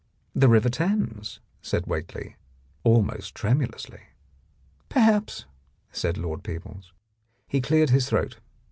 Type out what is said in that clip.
" "The River Thames," said Whately almost tremulously. "Perhaps," said Lord Peebles. He cleared his throat.